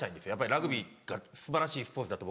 ラグビーが素晴らしいスポーツだと。